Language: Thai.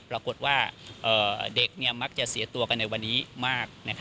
ปรากฏว่าเด็กมักจะเสียตัวกันในวันนี้มาก